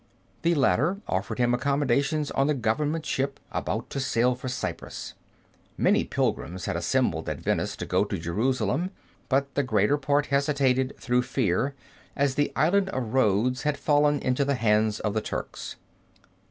The latter offered him accommodations on the government ship about to sail for Cyprus. Many pilgrims had assembled at Venice to go to Jerusalem, but the greater part hesitated through fear, as the Island of Rhodes had fallen into the hands of the Turks.